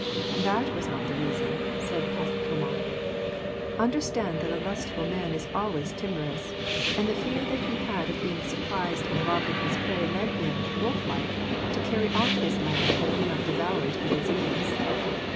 "That was not the reason," said Parlamente. "Understand that a lustful man is always timorous, and the fear that he had of being surprised and robbed of his prey led him, wolf like, to carry off his lamb that he might devour it at his ease."